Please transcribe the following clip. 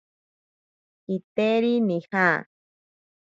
Kitejari nija.